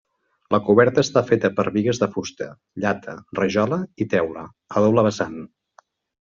La coberta està feta per bigues de fusta, llata, rajola i teula, a doble vessant.